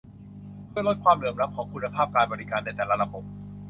เพื่อลดความเหลื่อมล้ำของคุณภาพการบริการ ในแต่ละระบบ